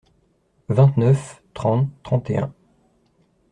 vingt-neuf, trente, trente et un.